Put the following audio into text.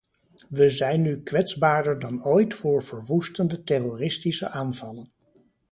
We zijn nu kwetsbaarder dan ooit voor verwoestende terroristische aanvallen.